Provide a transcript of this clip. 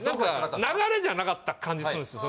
流れじゃなかった感じするんですよ